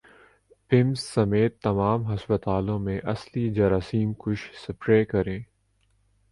پمز سمیت تمام ھسپتالوں میں اصلی جراثیم کش سپرے کریں